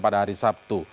pada hari sabtu